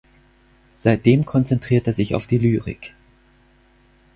Seitdem konzentriert er sich auf die Lyrik.